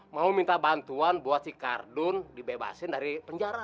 mau minta bantuan buat si kardun dibebasin dari penjara